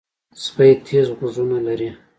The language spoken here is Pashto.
سپي تیز غوږونه لري.